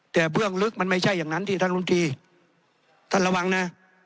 แต่เบื้องลึกมันไม่ใช่อย่างนั้นที่ท่านรุมตรีท่านระวังนะ